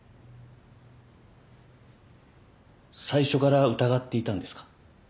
最初から疑っていたんですか。